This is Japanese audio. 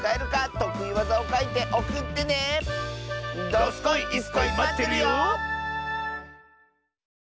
どすこいいすこいまってるよ！